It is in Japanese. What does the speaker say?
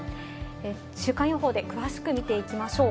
週間予報で詳しく見ていきましょう。